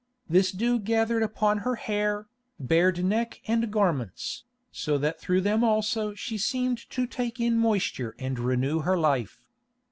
This dew gathered upon her hair, bared neck and garments, so that through them also she seemed to take in moisture and renew her life.